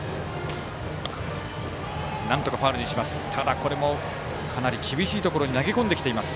なんとかファウルにしますが厳しいところに投げ込んでいる。